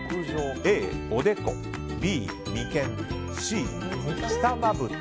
Ａ、おでこＢ、眉間Ｃ、下まぶた。